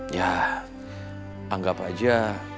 ya anggap aja